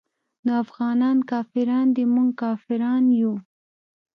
نو افغانان کافران دي موږ کافران يو.